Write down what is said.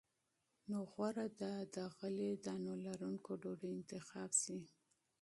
نو غوره ده د غلې- دانو لرونکې ډوډۍ انتخاب شي.